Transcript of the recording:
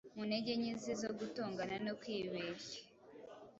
Mu ntege nke ze zo gutongana no kwibehya